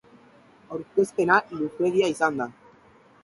Aurkezpena luzeegia izan da.